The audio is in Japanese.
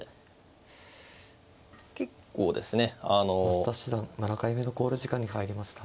増田七段７回目の考慮時間に入りました。